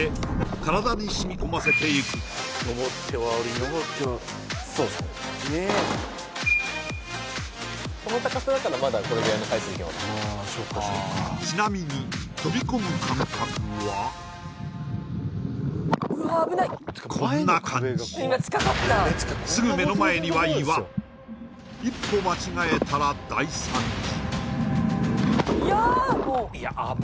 体に染み込ませていくちなみに飛び込む感覚はこんな感じすぐ一歩間違えたら大惨事